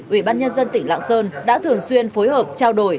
ủy ban nhân dân tỉnh lạng sơn đã thường xuyên phối hợp trao đổi